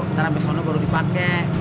ntar abis ono baru dipake